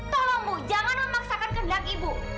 tolongmu jangan memaksakan kehendak ibu